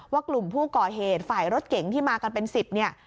ว่ากลุ่มผู้ก่อเหตุฝ่ายรถเก๋งที่มากันเป็น๑๐เนี่ย